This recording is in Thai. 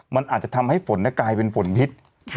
มันอาจจะทำให้ฝนกลายเป็นฝนพิษ